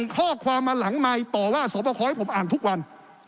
ข้อความมาหลังไมค์ต่อว่าสอบประคอให้ผมอ่านทุกวัน